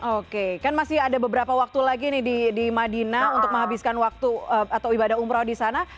oke kan masih ada beberapa waktu lagi nih di madinah untuk menghabiskan waktu atau ibadah umroh di sana